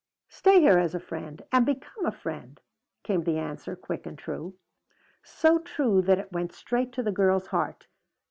"Stay here as a friend and become a friend," came the answer, quick and true. So true that it went straight to the girl's heart.